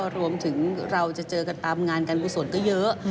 รวมถึงเราจะเจอกันตามงานการกุศลก็เยอะ